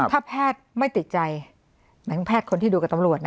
ถ้าแพทย์ไม่ติดใจหมายถึงแพทย์คนที่ดูกับตำรวจ